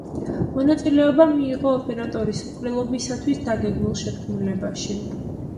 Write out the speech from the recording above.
მონაწილეობა მიიღო იმპერატორის მკვლელობისათვის დაგეგმილ შეთქმულებაში.